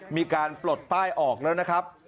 ปลดป้ายออกแล้วนะครับ